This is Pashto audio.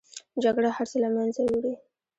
جګړه هر څه له منځه وړي